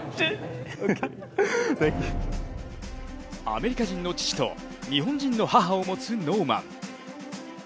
アメリカ人の父と日本人の母を持つノーマン。